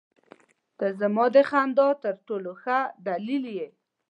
• ته زما د خندا تر ټولو ښه دلیل یې.